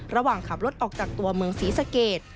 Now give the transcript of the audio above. ระหว่างขับรถออกจากตัวเมืองศรีสเกต